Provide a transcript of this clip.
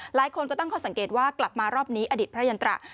หลายคนก็ตั้งข้อสังเกตว่ากลับมารอบนี้อดีตพระยันตรา